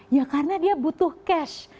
ya karena dia butuh cash